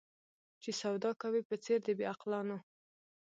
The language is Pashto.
چي سودا کوې په څېر د بې عقلانو